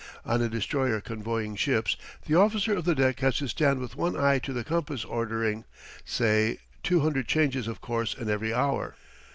On a destroyer convoying ships the officer of the deck has to stand with one eye to the compass ordering, say, two hundred changes of course in every hour.